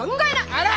あら！